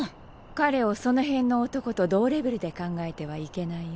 彼をその辺の男と同レベルで考えてはいけないよ。